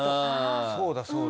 そうだそうだ。